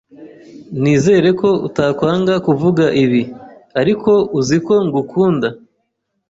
Nizere ko utakwanga kuvuga ibi, ariko uzi ko ngukunda.